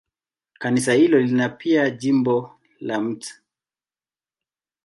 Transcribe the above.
Kanisa hilo lina pia jimbo la Mt.